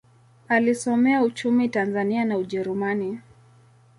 Alisomea uchumi Tanzania na Ujerumani.